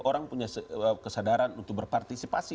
orang punya kesadaran untuk berpartisipasi